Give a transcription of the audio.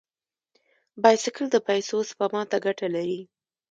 بایسکل د پیسو سپما ته ګټه لري.